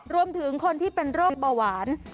รวมถึงคนที่เป็นโรคเบาหวาน